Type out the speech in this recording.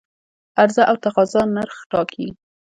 عرضه او تقاضا نرخ ټاکي.